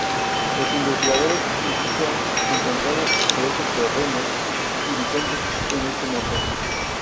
Los investigadores incluso han encontrado esqueletos de renos y bisontes en este montón.